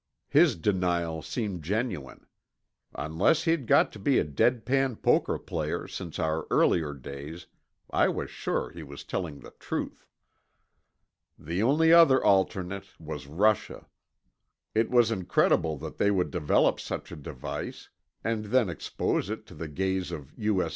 His denial seemed genuine; unless he'd got to be a dead pan poker player since our earlier days, I was sure he was telling the truth. The only other alternate was Russia. It was incredible that they would develop such a device and then expose it to the gaze of U.S.